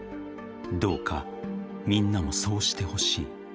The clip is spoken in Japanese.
［どうかみんなもそうしてほしい］